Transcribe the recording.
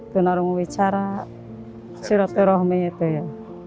tunarungu wicara sirote rohmi itu ya